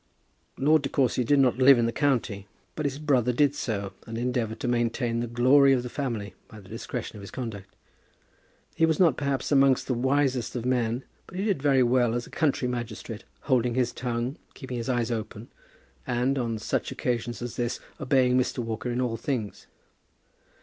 Lord De Courcy did not live in the county, but his brother did so, and endeavoured to maintain the glory of the family by the discretion of his conduct. He was not, perhaps, among the wisest of men, but he did very well as a country magistrate, holding his tongue, keeping his eyes open, and, on such occasions as this, obeying Mr. Walker in all things.